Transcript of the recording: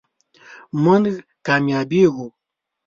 مونږ کامیابیږو